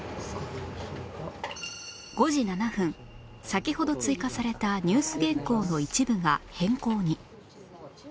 先ほど追加されたニュース原稿の一部が変更に